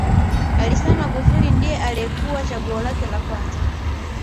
Alisema Magufuli ndiye aliyekuwa chaguo lake la kwanza